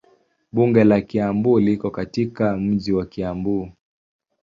Bunge la Kiambu liko katika mji wa Kiambu.